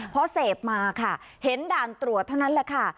พอเสพมาค่ะเห็นด่านตรวจเท่านั้นแหละค่ะ